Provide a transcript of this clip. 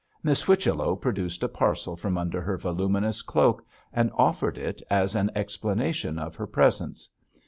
Miss Whichello produced a parcel from under her voluminous cloak and offered it as an explanation of her presence.